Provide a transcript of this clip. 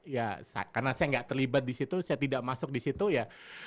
ya karena saya tidak terlibat di situ saya tidak masuk di situ ya